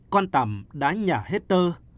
con tảm đã nhả hết tơ